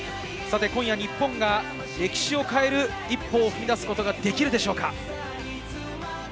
今夜、日本が歴史を変える一歩を踏み出すことができるでしょうか？